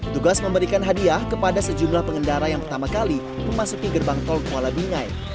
tugas memberikan hadiah kepada sejumlah pengendara yang pertama kali memasuki gerbang tol kuala bingai